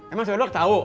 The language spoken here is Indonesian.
emang si ojek tau